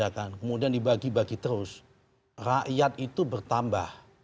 kemudian dibagi bagi terus rakyat itu bertambah